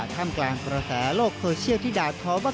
ท่ามกลางกระแสโลกโซเชียลที่ด่าท้อว่า